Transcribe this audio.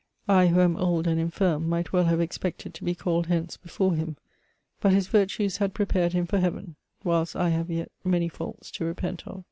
I who am old and infirm, might well haye expected to he called hence before him ; but his virtues had prepared him for ^ Heaven, whilst I have yet many faults to repent of.